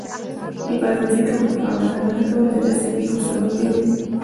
حفاظتي ټکو ته پاملرنه نه کول د داسې پېښو سبب ګرځي.